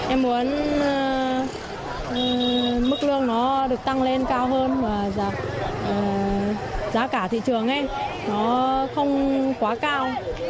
em muốn mức lương nó được tăng lên cao hơn và giá cả thị trường ấy nó không quá cao